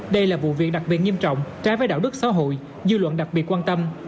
đây là vụ việc đặc biệt nghiêm trọng trai với đạo đức xã hội dư luận đặc biệt quan tâm